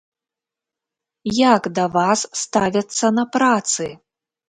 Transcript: Як да вас ставяцца на працы?